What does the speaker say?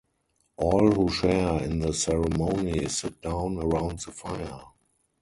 All who share in the ceremony sit down around the fire.